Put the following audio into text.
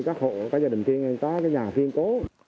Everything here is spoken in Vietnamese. các hộ các nhà đồng tiên các nhà phiên cố